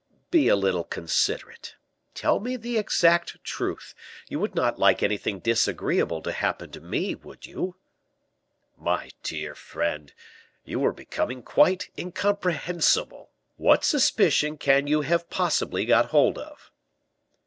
"Be a little considerate. Tell me the exact truth; you would not like anything disagreeable to happen to me, would you?" "My dear friend, you are becoming quite incomprehensible. What suspicion can you have possibly got hold of?"